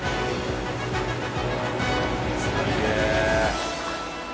すげえ。